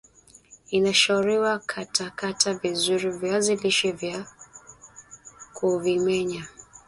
inashauriwa Katakata vizuri viazi lishe na kuvimenya